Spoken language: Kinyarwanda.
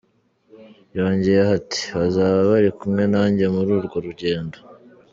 " Yongeyeho ati "Bazaba bari kumwe nanjye muri urwo rugendo.